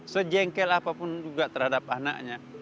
sejengkel apapun juga terhadap anaknya